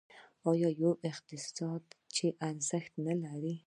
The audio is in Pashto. آیا یو اقتصاد چې ارزښت نلري؟